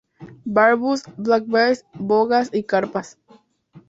Barbos, Black bass, Bogas y Carpas.